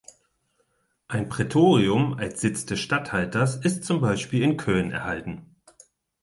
Ein Praetorium als Sitz des Statthalters ist zum Beispiel in Köln erhalten.